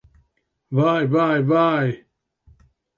Vai, vai, vai!